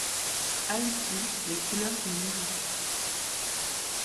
Haïti, les couleurs du miracle.